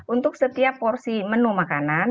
untuk setiap porsi menu makanan